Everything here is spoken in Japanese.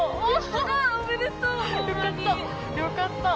よかった。